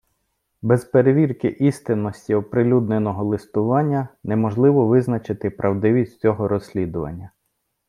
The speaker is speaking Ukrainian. Без перевірки істинності оприлюдненого листування неможливо визначити правдивість всього розслідування.